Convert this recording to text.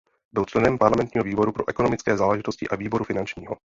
Byl členem parlamentního výboru pro ekonomické záležitosti a výboru finančního.